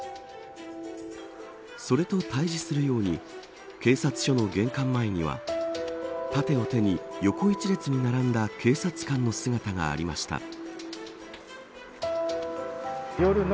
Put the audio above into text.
それと対峙するように警察署の玄関前には盾を手に、横１列に並んだ警察官の姿がありました。